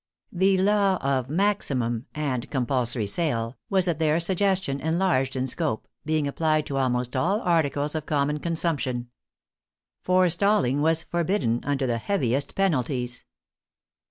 The law of maximum (and compulsory sale) was at their suggestion enlarged in scope, being applied to almost all articles of common consumption. Forestalling was forbidden under the heaviest penalties.